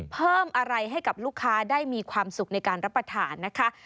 เพิ่มอะไรให้กับลูกค้าได้มีความสุขในการรับประทานนะคะ